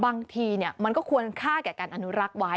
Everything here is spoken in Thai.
บางทีมันก็ควรค่าแก่การอนุรักษ์ไว้